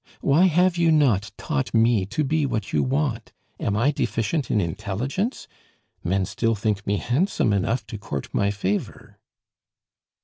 Why have you not taught me to be what you want? Am I deficient in intelligence? Men still think me handsome enough to court my favor."